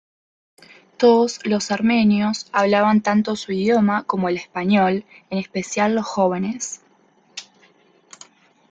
Todos los armenios hablaban tanto su idioma como el español, en especial los jóvenes.